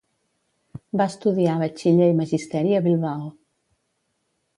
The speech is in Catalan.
Va estudiar Batxiller i Magisteri a Bilbao.